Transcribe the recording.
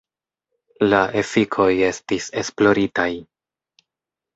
La efikoj estis esploritaj.